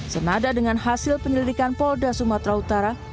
senada dengan hasil penyelidikan polda sumatera utara